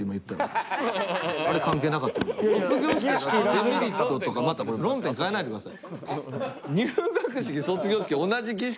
デメリットとかまた論点変えないでください。